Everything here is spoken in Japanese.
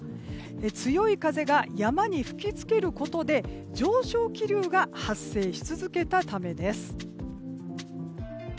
強い風が山に吹き付けることで上昇気流が発生し続けたためです。